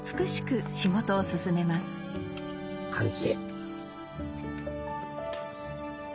完成。